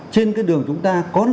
trên cái đường chúng ta có lựa chọn nào